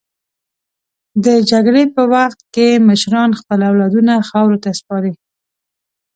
د جګړې په وخت کې مشران خپل اولادونه خاورو ته سپاري.